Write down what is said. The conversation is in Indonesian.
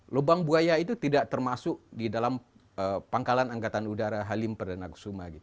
lubang buaya itu tidak termasuk di dalam pangkalan angkatan udara halim perdana kusuma